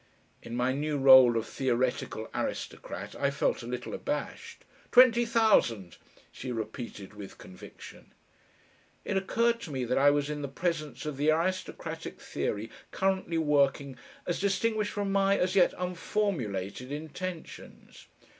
In my new role of theoretical aristocrat I felt a little abashed. "Twenty thousand," she repeated with conviction. It occurred to me that I was in the presence of the aristocratic theory currently working as distinguished from my as yet unformulated intentions.